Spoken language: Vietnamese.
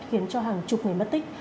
khiến cho hàng chục người mất tích